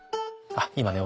あっ今ね